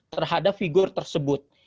terhadap figur tersebut